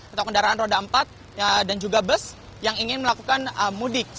atau kendaraan roda empat dan juga bus yang ingin melakukan mudik